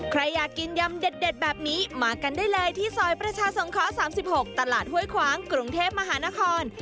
ใครอยากกินยำเด็ดแบบนี้มากันได้เลยที่ซอยประชาสงเคราะห์๓๖ตลาดห้วยขวางกรุงเทพมหานคร